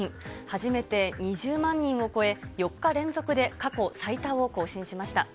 初めて２０万人を超え、４日連続で過去最多を更新しました。